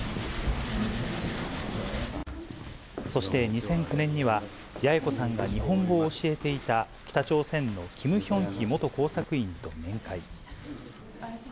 そして、２００９年には、八重子さんが日本語を教えていた、北朝鮮のキム・ヒョンヒ元工作員と面会。